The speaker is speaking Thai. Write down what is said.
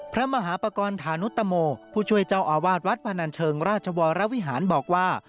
พระมหาปากรธานุตโมผู้ช่วยเจ้าอาวาสวัดพนันเชิงราชวรวิหารบอกว่า